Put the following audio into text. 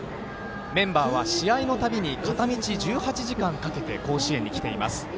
メンバーは試合の度に片道１８時間かけて甲子園に来ています。